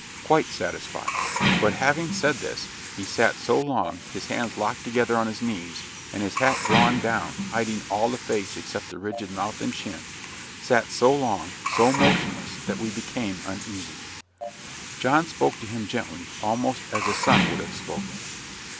"Quite satisfied." But, having said this, he sat so long, his hands locked together on his knees, and his hat drawn down, hiding all the face except the rigid mouth and chin sat so long, so motionless, that we became uneasy. John spoke to him gently, almost as a son would have spoken.